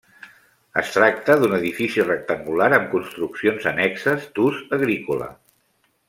Es tracta d'un edifici rectangular amb construccions annexes d'ús agrícola.